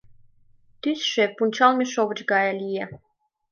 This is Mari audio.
Тӱсшӧ пунчалме шовыч гае лие.